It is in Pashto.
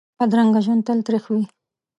بدرنګه ژوند تل تریخ وي